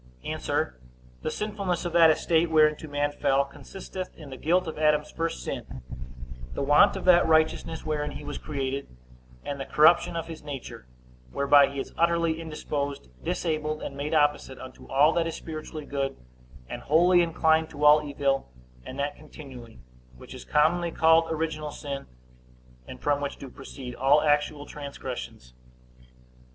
A. The sinfulness of that estate whereinto man fell, consisteth in the guilt of Adam's first sin, the want of that righteousness wherein he was created, and the corruption of his nature, whereby he is utterly indisposed, disabled, and made opposite unto all that is spiritually good, and wholly inclined to all evil, and that continually; which is commonly called original sin, and from which do proceed all actual transgressions.